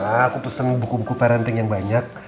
aku pesen buku buku parenting yang banyak